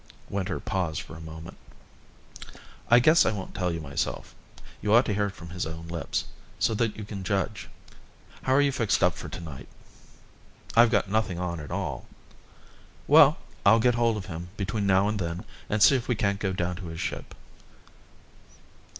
Winter paused for a moment. "I guess I won't tell you myself. You ought to hear it from his own lips so that you can judge. How are you fixed up for to night?" "I've got nothing on at all." "Well, I'll get hold of him between now and then and see if we can't go down to his ship."